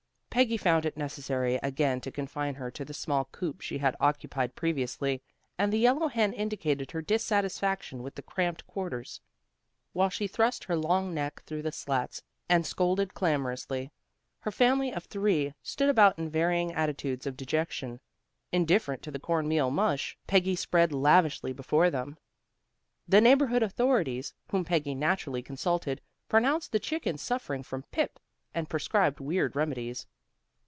Peggy found it necessary again to confine her to the small coop she had occupied previously, and the yellow hen indicated her dissatisfaction with the cramped quarters. While she thrust her long neck through the slats and scolded clamorously, her family of three stood about in varying attitudes of dejection, indifferent to the corn meal mush Peggy spread lavishly before them. The neighborhood authorities, whom Peggy naturally consulted, pronounced the chickens suffering from "pip" and prescribed weird remedies.